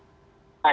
untuk masker dan juga